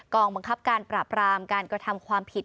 องบังคับการปราบรามการกระทำความผิด